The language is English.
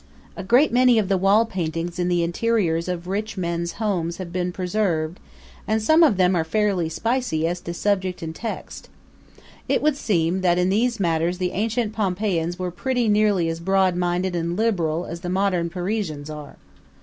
A great many of the wall paintings in the interiors of rich men's homes have been preserved and some of them are fairly spicy as to subject and text. It would seem that in these matters the ancient Pompeiians were pretty nearly as broad minded and liberal as the modern Parisians are.